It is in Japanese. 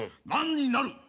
何になる？